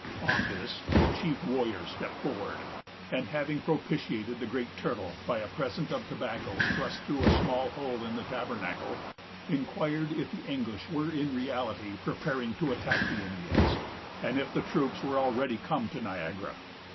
On this, the chief warrior stepped forward; and, having propitiated the Great Turtle by a present of tobacco thrust through a small hole in the tabernacle, inquired if the English were in reality preparing to attack the Indians, and if the troops were already come to Niagara.